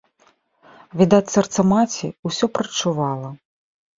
Відаць, сэрца маці ўсё прадчувала.